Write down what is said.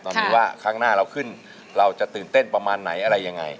ตอนนี้ว่าครั้งหน้าเราขึ้นเราจะตื่นเต้นประมาณไหนอะไรยังไง